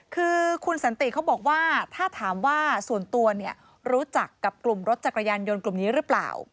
คือคุณสันติเขาบอกว่าถ้าถามว่าส่วนตัวเนี่ยรู้จักกับกลุ่มรถจักรยานยนต์กลุ่มนี้หรือเปล่า